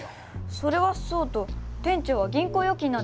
それはそうと店長は銀行預金なんてしてたんですね。